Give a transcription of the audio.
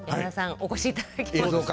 お越しいただきました。